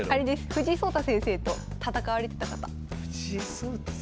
藤井聡太先生と戦われてた方？